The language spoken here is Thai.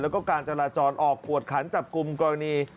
แล้วก็การจราจรออกกวดขันจับกลุ่มกรณี